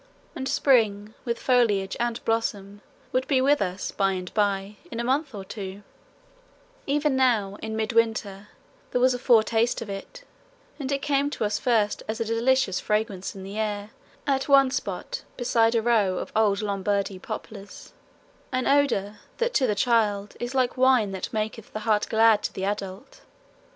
And spring with foliage and blossom would be with us by and by, in a month or two; even now in midwinter there was a foretaste of it, and it came to us first as a delicious fragrance in the air at one spot beside a row of old Lombardy poplars an odour that to the child is like wine that maketh the heart glad to the adult.